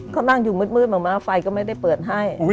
เขานั่งอยู่มืดบางม้าไฟก็ไม่ได้เปิดให้